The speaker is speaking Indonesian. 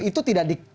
itu tidak di